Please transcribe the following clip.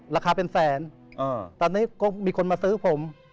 ราคาเป็นแสนตอนนี้ก็มีคนมาซื้อผม